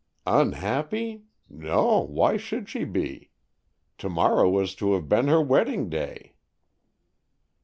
"Unhappy? No; why should she be? To morrow was to have been her wedding day!"